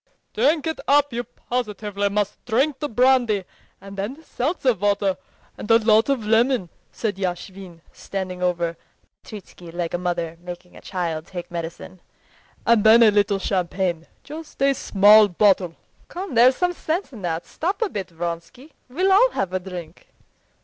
"Drink it up; you positively must drink the brandy, and then seltzer water and a lot of lemon," said Yashvin, standing over Petritsky like a mother making a child take medicine, "and then a little champagne—just a small bottle." "Come, there's some sense in that. Stop a bit, Vronsky. We'll all have a drink."